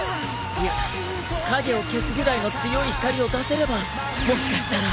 いや影を消すぐらいの強い光を出せればもしかしたら。